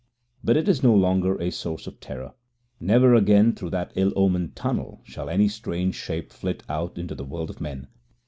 But it is no longer a source of terror. Never again through that ill omened tunnel shall any strange shape flit out into the world of men.